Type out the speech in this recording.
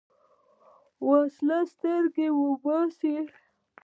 وسله سترګې وځي